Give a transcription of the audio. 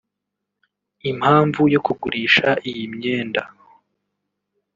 “Impamvu yo kugurisha iyi myenda